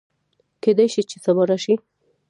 کېدی شي چې سبا راشي